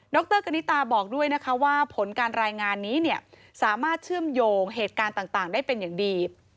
รกณิตาบอกด้วยนะคะว่าผลการรายงานนี้เนี่ยสามารถเชื่อมโยงเหตุการณ์ต่างได้เป็นอย่างดี